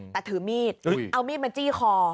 แต่ถือมีดเอามีดมาจี้คอ